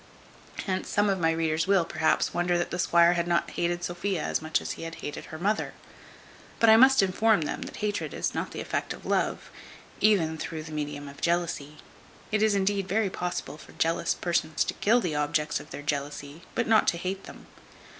Hence some of my readers will, perhaps, wonder that the squire had not hated Sophia as much as he had hated her mother; but I must inform them, that hatred is not the effect of love, even through the medium of jealousy. It is, indeed, very possible for jealous persons to kill the objects of their jealousy, but not to hate them.